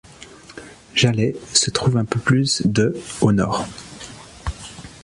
Jalhay se trouve à un peu plus de au nord.